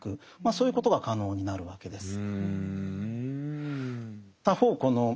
そういうことが可能になるわけです。